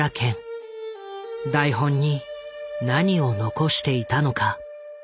台本に何を残していたのか。